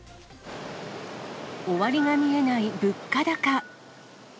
終わりが見えない物価高。